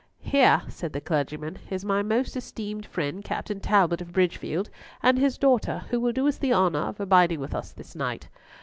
"Here," said the clergyman, "is my most esteemed friend Captain Talbot of Bridgefield and his daughter, who will do us the honour of abiding with us this night.